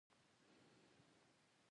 څلورم کس په ګروپ کې کاریګر دی.